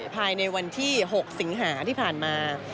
ภายในวันที่๖สิงหาที่ผ่านมา